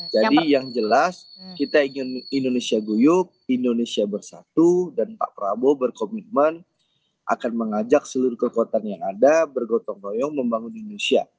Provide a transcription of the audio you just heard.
jadi yang jelas kita ingin indonesia guyuk indonesia bersatu dan pak prabowo berkomitmen akan mengajak seluruh kekuatan yang ada bergotong goyong membangun indonesia